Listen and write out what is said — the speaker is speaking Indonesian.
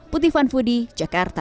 putih van voodie jakarta